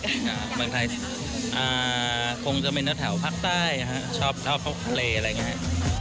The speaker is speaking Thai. เมืองไทยคงจะเป็นแถวภาคใต้ชอบทะเลอะไรอย่างนี้